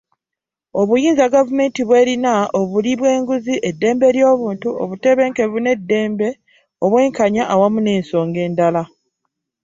Obuyinza gavumenti bw’erina, obulyi bw’enguzi, eddembe ly’obuntu, obutebenkevu n’eddembe, obwenkanya awamu n’ensonga endala.